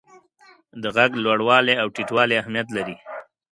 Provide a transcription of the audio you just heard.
د ږغ لوړوالی او ټیټوالی اهمیت لري.